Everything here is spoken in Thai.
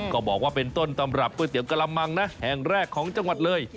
ก็บอกว่าเป็นต้นตำรับก๋วยเตี๋ยกะละมังนะแห่งแรกของจังหวัดเลย